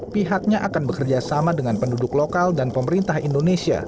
pihaknya akan bekerjasama dengan penduduk lokal dan pemerintah indonesia